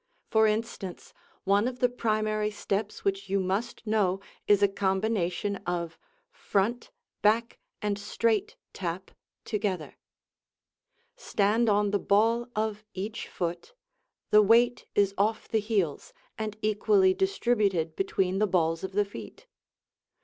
For instance, one of the primary steps which you must know is a combination of front, back and straight tap together. Stand on the ball of each foot; the weight is off the heels, and equally distributed between the balls of the feet.